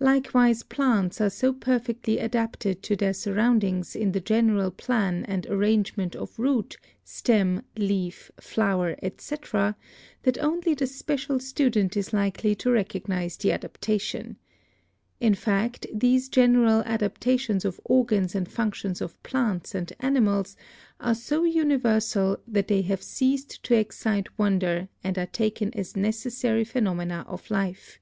Likewise plants are so perfectly adapted to their sur roundings in the general plan and arrangement of root, stem, leaf, flower, etc., that only the special student is likely to recognise the adaptation. In fact, these general adaptations of organs and functions of plants and animals are so universal that they have ceased to excite wonder and are taken as necessary phenomena of life.